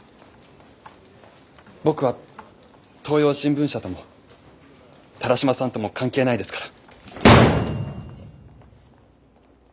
僕は東洋新聞社とも田良島さんとも関係ないですから。